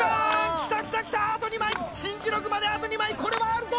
きたきたきたあと２枚新記録まであと２枚これはあるぞ